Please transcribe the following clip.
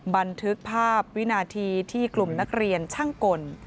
บันทึกภาพวินาทีที่กลุ่มนักเรียนช่างกล